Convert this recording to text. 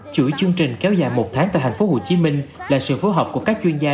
chuỗi chương trình kéo dài một tháng tại tp hcm là sự phối hợp của các chuyên gia